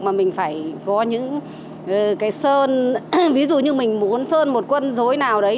mà mình phải có những cái sơn ví dụ như mình muốn sơn một quân dối nào đấy